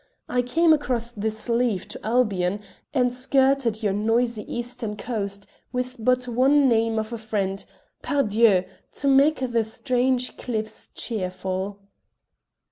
I came across the sleeve to Albion and skirted your noisy eastern coast with but one name of a friend, pardieu, to make the strange cliffs cheerful."